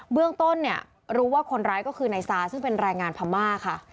เรื่องต้นเนี่ยรู้ว่าคนร้ายก็คือนายซาซึ่งเป็นแรงงานพม่าค่ะ